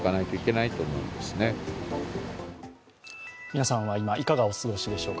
皆さんは今、いかがお過ごしでしょうか。